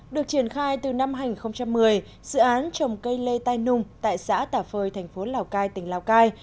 được triển khai từ năm hai nghìn một mươi dự án trồng cây lê tai nung tại xã tà phơi thành phố lào cai tỉnh lào cai